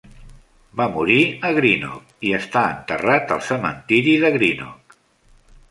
Va morir a Greenock i està enterrat al cementiri de Greenock.